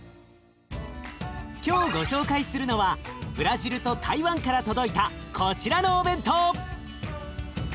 今日ご紹介するのはブラジルと台湾から届いたこちらのお弁当！